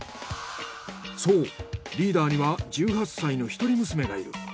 そうリーダーには１８歳の一人娘がいる。